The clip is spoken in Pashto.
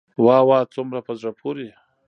واه واه څومره په زړه پوري.